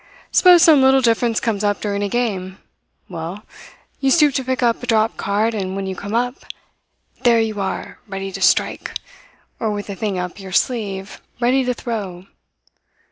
"Suppose some little difference comes up during a game. Well, you stoop to pick up a dropped card, and when you come up there you are ready to strike, or with the thing up you sleeve ready to throw.